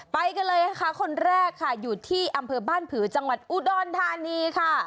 ไปกันเลยนะคะคนแรกค่ะอยู่ที่อำเภอบ้านผือจังหวัดอุดรธานีค่ะ